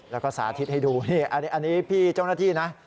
แล้วก็สาธิตให้ดูนี่อันนี้พี่เจ้าหน้าที่นะ